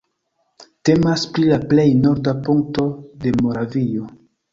Temas pri la plej norda punkto de Moravio.